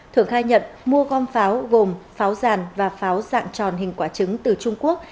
thường khai nhận mua gom pháo gồm pháo ràn và pháo dạng tròn hình quả trứng từ trung quốc